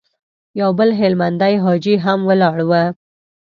يو بل هلمندی حاجي هم ولاړ و.